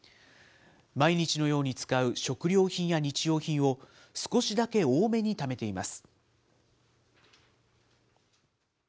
毎日のように使う食料品や日用品を、少しだけ多めにためています。